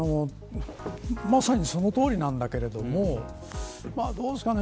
まさにそのとおりなんだけれどもどうですかね。